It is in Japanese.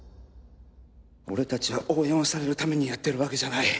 俺達は応援をされるためにやってるわけじゃない